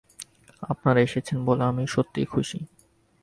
আপনারা এসেছেন বলে আমি সত্যিই খুশি।